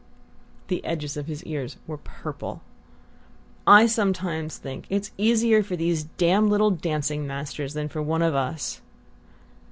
The edges of his ears were purple. "I sometimes think it's easier for these damned little dancing masters than for one of us."